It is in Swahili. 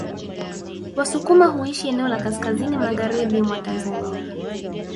Wasukuma huishi eneo la kaskazini magharibi mwa Tanzania